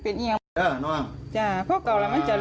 ท่านี่นะคะม้าพร้างต่างถ้ำป้องทำไม่ช่าง